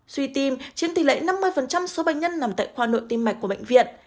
suy tim chiếm tỷ lệ năm mươi số bệnh nhân nằm tại khoa nội tim mạch của bệnh viện